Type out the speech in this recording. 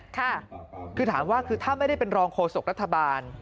ค่าค่าคุณถามว่าคือถ้าไม่ได้เป็นรองโครสกรรภาบาล